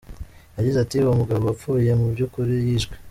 Yagize ati “Uwo mugabo wapfuye mu by’ ukuri yishwe.